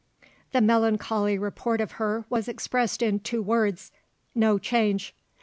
The melancholy report of her was expressed in two words: No change.